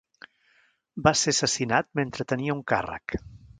Va ser assassinat mentre tenia un càrrec.